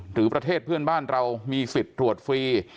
ประเทศเพื่อนบ้านเรามีสิทธิ์ตรวจฟรี